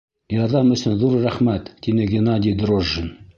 Ярҙам өсөн ҙур рәхмәт, — тине Геннадий Дрожжин.